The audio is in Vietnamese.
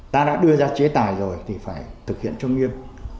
ta đã đưa ra chế tài rồi thì phải thực hiện cho nghiêm